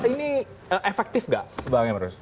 ini efektif gak bang emrus